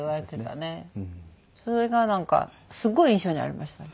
それがなんかすごい印象にはありましたね。